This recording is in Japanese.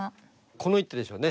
この一手でしょうね。